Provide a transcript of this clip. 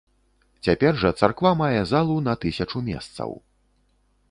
Цяпер жа царква мае залу на тысячу месцаў.